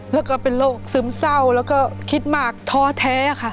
แล้วก็เป็นโรคซึมเศร้าแล้วก็คิดมากท้อแท้ค่ะ